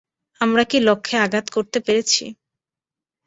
আমরা কি লক্ষ্যে আঘাত করতে পেরেছি?